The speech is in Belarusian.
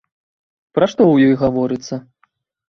Пра што ў ёй гаворыцца?